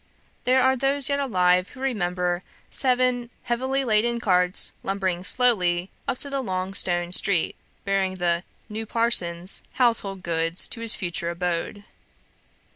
There are those yet alive who remember seven heavily laden carts lumbering slowly up the long stone street, bearing the "new parson's" household goods to his future abode.